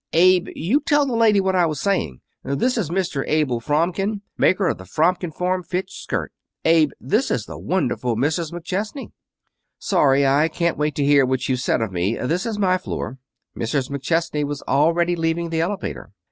"Abe, you tell the lady what I was saying. This is Mr. Abel Fromkin, maker of the Fromkin Form Fit Skirt. Abe, this is the wonderful Mrs. McChesney." "Sorry I can't wait to hear what you've said of me. This is my floor." Mrs. McChesney was already leaving the elevator.